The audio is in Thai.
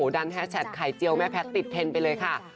ดันแฮสแชทไข่เจียวแม่แพทติดเทนไปเลยค่ะ